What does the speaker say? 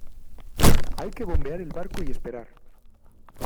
hay que bombear el barco y esperar.